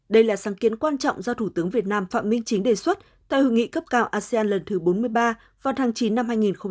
đây là sáng kiến quan trọng do thủ tướng việt nam phạm minh chính đề xuất tại hội nghị cấp cao asean lần thứ bốn mươi ba vào tháng chín năm hai nghìn hai mươi